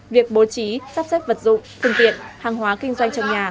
việc bố trí sắp xếp vật dụng phương tiện hàng hóa kinh doanh trong nhà